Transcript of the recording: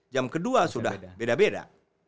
jam kedua sudah beda beda